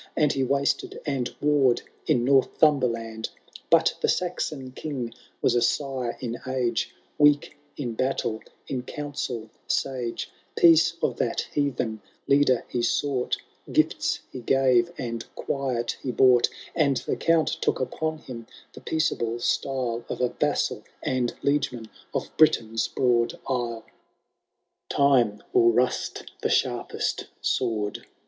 And he wasted and warr'*d in Northumberland. But the Saxon King was a sire in age, Weak in battle, in council sage *, Peace of that heathen leader he sought, Gifts he gave, and quiet he bought ; And the Count took upon him the peaceable style Of a vassal and liegeman of Britain^s broad isle. IV. Time will rust the sharpest sword.